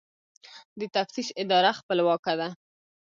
د تفتیش اداره خپلواکه ده؟